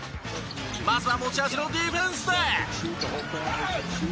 まずは持ち味のディフェンスで。